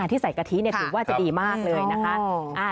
ที่ใส่กะทิถือว่าจะดีมากเลยนะคะ